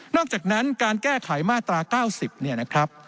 นอกจากนั้นการแก้ไขมาตรา๙๐